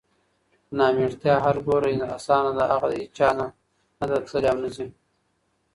نامېړتیا هر ګوره اسانه ده هغه د هیچا نه نده تللې اونه ځي